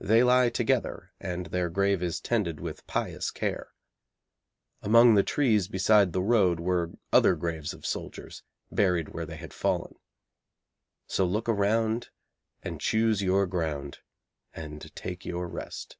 They lie together, and their grave is tended with pious care. Among the trees beside the road were other graves of soldiers, buried where they had fallen. 'So look around and choose your ground and take your rest.'